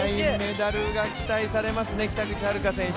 メダルが期待されますね、北口榛花選手。